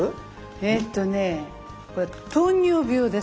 えっとねこれ糖尿病です。